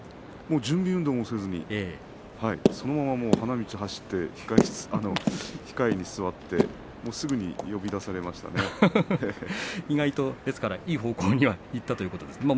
準備運動もせずにそのまま花道を走って控えに座ってすぐにいい方向にいったということですね。